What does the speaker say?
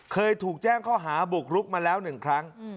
เคยถูกแจ้งข้อหาบุกรุกมาแล้ว๑ครั้ง